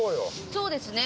そうですね。